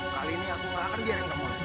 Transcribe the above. kali ini aku nggak akan biarkan kamu lagi